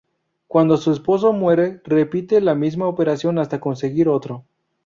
Cuando su esposo muere, repite la misma operación hasta conseguir otro.